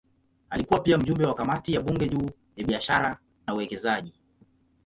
Alikuwa pia mjumbe wa kamati ya bunge juu ya biashara na uwekezaji.